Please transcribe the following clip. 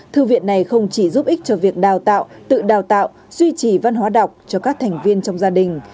thư viện này không chỉ giúp ích cho việc đào tạo tự đào tạo duy trì văn hóa đọc cho các thành viên trong gia đình